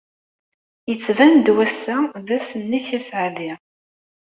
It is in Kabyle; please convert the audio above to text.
Yettban-d wass-a d ass-nnek aseɛdi.